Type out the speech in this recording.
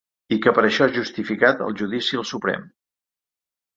I que per això és justificat el judici al Suprem.